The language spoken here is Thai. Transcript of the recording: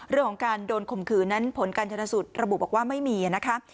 เรื่องของการโดนข่มขืนนั้นผลการชนสูตรระบุบอกว่าไม่มีนะคะ